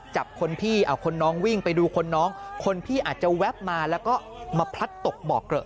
จับคนพี่เอาคนน้องวิ่งไปดูคนน้องคนพี่อาจจะแวบมาแล้วก็มาพลัดตกเบาะเกลอะ